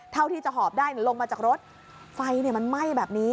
เท่าที่จะหอบได้เนี่ยลงมาจากรถไฟเนี่ยมันไหม้แบบนี้